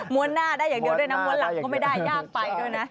้วนหน้าได้อย่างเดียวด้วยนะม้วนหลังก็ไม่ได้ยากไปด้วยนะ